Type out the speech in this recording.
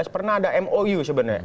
pernah ada mou sebenarnya